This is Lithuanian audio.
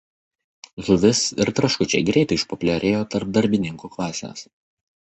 Žuvis ir traškučiai greitai išpopuliarėjo tarp darbininkų klasės.